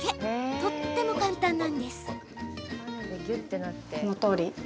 とっても簡単です。